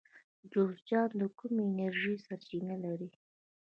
جوزجان د کومې انرژۍ سرچینه لري؟